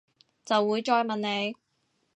就會再問你